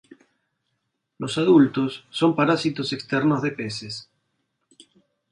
Los adultos son parásitos externos de peces.